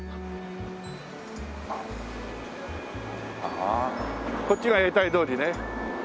ああこっちが永代通りね。